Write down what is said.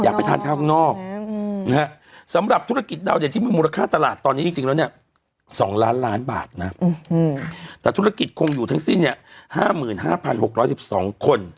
คนก็อยากออกไปทานข้าวข้างนอก